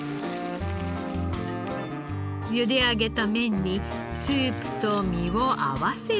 ゆで上げた麺にスープと身を合わせれば。